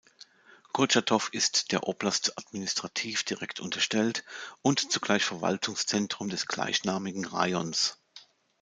Kurtschatow ist der Oblast administrativ direkt unterstellt und zugleich Verwaltungszentrum des gleichnamigen Rajons.